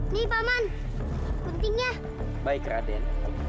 nih paman pentingnya baik raden